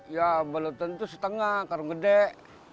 ya belum tentu setengah karena besar